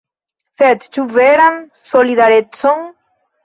Sed ĉu veran solidarecon?